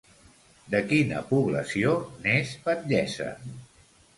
De quina població n'és batllessa?